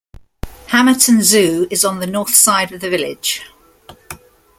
Hamerton Zoo is on the north side of the village.